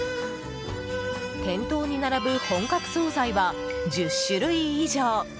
店頭に並ぶ本格総菜は１０種類以上。